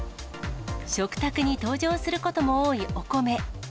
食卓に登場することも多いお米。